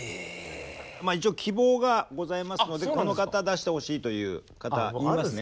一応希望がございますのでこの方出してほしいという方言いますね。